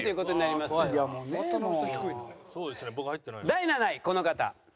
第７位この方。